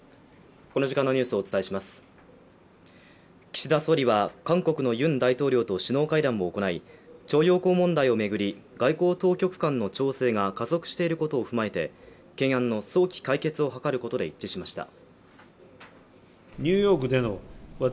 岸田総理は韓国のユン大統領と首脳会談を行い、徴用工問題を巡り、外交当局間の調整が加速していることを踏まえて懸案の早期解決を図ることで一致しました。